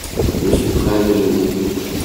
Je suis prêt à déjeuner.